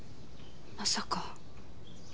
まさか。